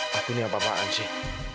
tapi ini apa apaan sih